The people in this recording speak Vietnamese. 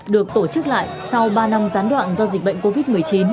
được tổ chức lại sau ba năm gián đoạn do dịch bệnh covid một mươi chín